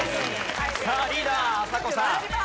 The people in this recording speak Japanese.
さあリーダーあさこさん。